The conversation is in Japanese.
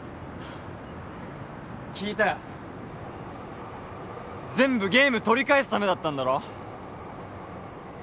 聞いたよ全部ゲーム取り返すためだったんだろ？